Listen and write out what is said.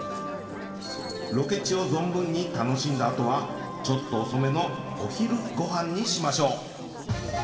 ロケ地を存分に楽しんだあとはちょっと遅めのお昼ごはんにしましょう。